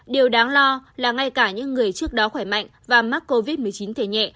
điều đáng lo là ngay cả những người trước đó khỏe mạnh và mắc covid một mươi chín thể nhẹ